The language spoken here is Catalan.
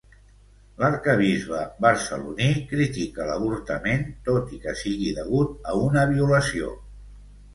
L'arquebisbe barceloní critica l'avortament tot i que sigui degut a una violació.